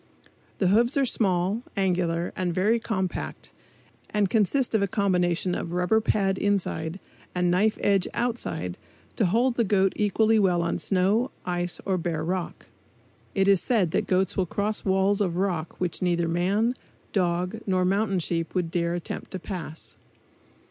The hoofs are small, angular and very compact and consist of a combination of rubber pad inside and knife edge outside to hold the goat equally well on snow, ice or bare rock. It is said that goats will cross walls of rock which neither man, dog nor mountain sheep would dare attempt to pass.